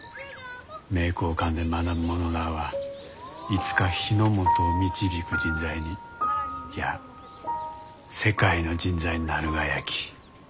名教館で学ぶ者らあはいつか日の本を導く人材にいや世界の人材になるがやき。